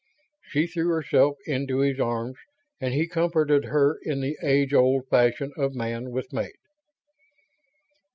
She threw herself into his arms, and he comforted her in the ages old fashion of man with maid.